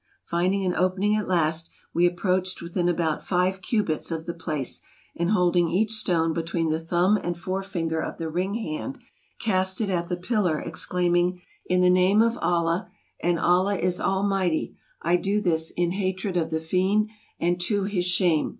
Finding an opening at last, we approached within about five cubits of the place, and holding each stone be tween the thumb and forefinger of the ring hand, cast it at the pillar, exclaiming, "In the name of Allah, and Allah is Almighty, I do this in hatred of the Fiend and to his shame.